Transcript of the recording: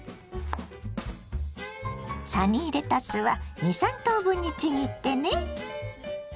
サニーレタスは２３等分にちぎってね。